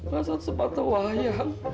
masa sempat tuh wahyang